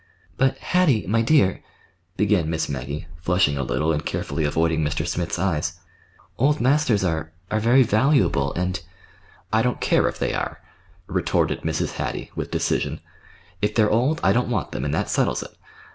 "But, Hattie, my dear," began Miss Maggie, flushing a little, and carefully avoiding Mr. Smith's eyes, "old masters are—are very valuable, and—" "I don't care if they are," retorted Mrs. Hattie, with decision. "If they're old, I don't want them, and that settles it.